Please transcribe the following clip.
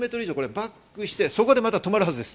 バックして、そこで止まるはずです。